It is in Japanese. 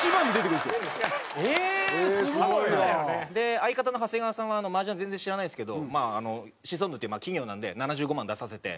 相方の長谷川さんは麻雀全然知らないんですけどまあシソンヌっていう企業なんで７５万出させて。